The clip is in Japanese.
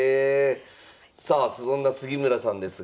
さあそんな杉村さんですが。